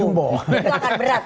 itu akan berat